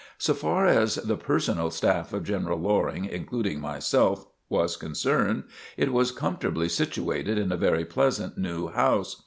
So far as the personal staff of General Loring (including myself) was concerned, it was comfortably situated in a very pleasant new house.